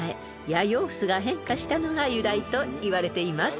「やようす」が変化したのが由来といわれています］